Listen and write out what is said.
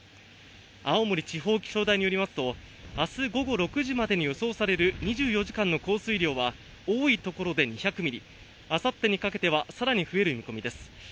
青森地方気象台によりますと明日午後６時までに予想される２４時間の降水量は、多いところで２００ミリ、あさってにかけては更に増える見込みです。